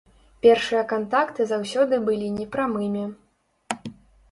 Першыя кантакты заўсёды былі непрамымі.